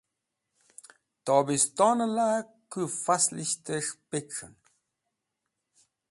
Tobiston la, kũ faslishtes̃h pec̃hen.